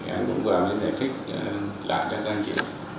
anh cũng vừa đã để thích lại cho anh chị